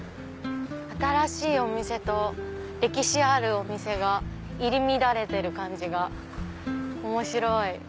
新しいお店と歴史あるお店が入り乱れてる感じが面白い。